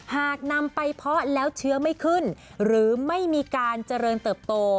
หากนำไปเพาะแล้วเชื้อไม่ขึ้นหรือไม่มีการเจริญเติบโต